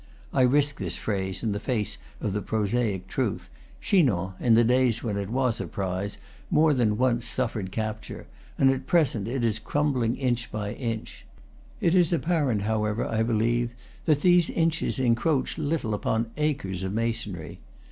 (I risk this phrase in the face of the prosaic truth. Chinon, in the days when it was a prize, more than once suflered capture, and at present it is crumbling inch by inch. It is apparent, however, I believe, that these inches encroach little upon acres of masonry.)